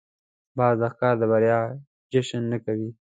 باز د ښکار د بریا جشن نه کوي